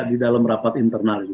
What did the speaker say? di dalam rapat internal